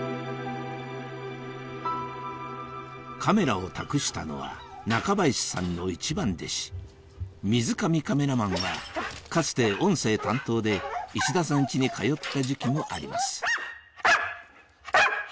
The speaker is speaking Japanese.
カメラを託したのは中林さんの一番弟子水上カメラマンはかつて音声担当で石田さんチに通った時期もあります